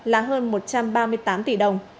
là hơn một trăm ba mươi tám tỷ đồng